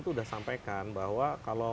sudah sampaikan bahwa kalau